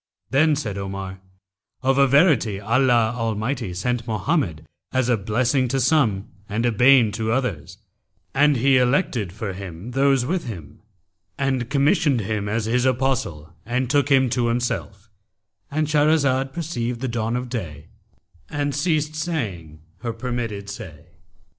Then said Omar, 'Of a verity Allah Almighty sent Mohammed as a blessing to some and a bane to others; and He elected for him those with him, and commissioned him as His Apostle and took him to Himself,'—And Shahrazad perceived the dawn of day and ceased saying her permitted say.